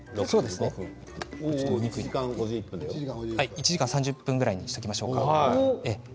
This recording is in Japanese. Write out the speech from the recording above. １時間３０分ぐらいにしておきましょうか。